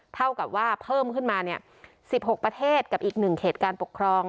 เท่ากับว่าเพิ่มขึ้นมา๑๖ประเทศกับอีก๑เขตการปกครอง